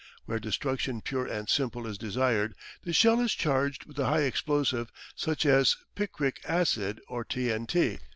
Where destruction pure and simple is desired, the shell is charged with a high explosive such as picric acid or T.N.T.